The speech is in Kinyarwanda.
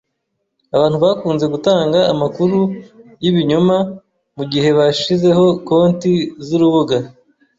Abantu bakunze gutanga amakuru yibinyoma mugihe bashizeho konti zurubuga.